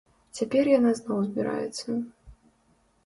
Цяпер яна зноў збіраецца.